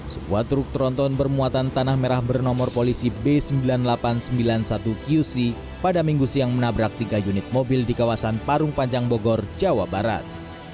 sebuah truk tronton bermuatan tanah merah bernomor polisi b sembilan ribu delapan ratus sembilan puluh satu qc pada minggu siang menabrak tiga unit mobil di kawasan parung panjang bogor jawa barat